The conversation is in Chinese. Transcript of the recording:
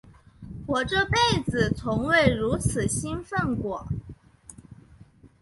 我这辈子从未如此兴奋过。